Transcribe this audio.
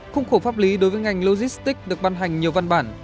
khung khổ pháp lý đối với ngành logistics được ban hành nhiều văn bản